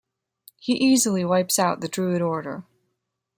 He easily wipes out the Druid order.